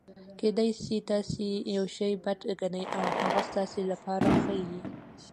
کېدای سي تاسي یوشي بد ګڼى او هغه ستاسي له پاره ښه يي.